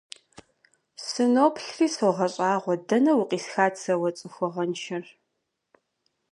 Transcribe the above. Сыноплъри согъэщӀагъуэ: дэнэ укъисхат сэ уэ цӀыхугъэншэр?